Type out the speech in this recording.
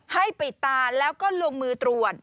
ให้ปิดตาแล้วก็ลงมือตรวจ